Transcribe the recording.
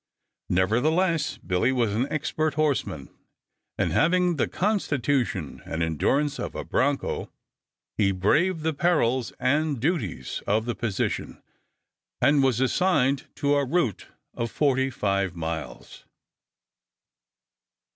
Nevertheless Billy was an expert horseman, and having the constitution and endurance of a bronco he braved the perils and duties of the position and was assigned to a route of forty five miles.